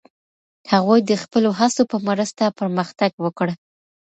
هغوی د خپلو هڅو په مرسته پرمختګ وکړ.